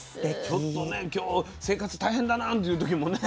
ちょっとね今日生活大変だなっていう時もね